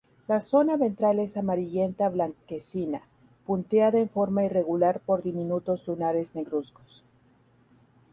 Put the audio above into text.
La zona ventral es amarillenta-blanquecina, punteada en forma irregular por diminutos lunares negruzcos.